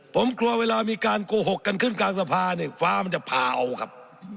ผมกลัวเวลามีการโกหกกันขึ้นกลางสภาเนี่ยฟ้ามันจะพาเอาครับ